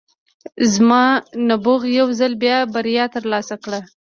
زما نبوغ یو ځل بیا بریا ترلاسه کړه